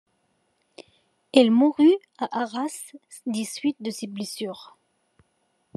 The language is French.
Il mourut à Arras des suites de ses blessures.